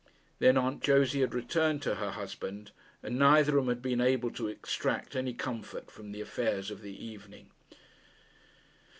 Then Aunt Josey had returned to her husband, and neither of them had been able to extract any comfort from the affairs of the evening.